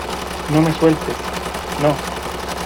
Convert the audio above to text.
no me sueltes. no .